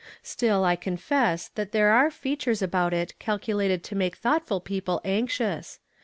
Still, I co.ifess that there are features about it calculated to make thoughtful })eople anxious.